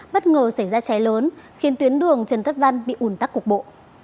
bất ngờ xảy ra cháy lớn khiến tuyến đường trần tất văn bị ủn tắc cục bộ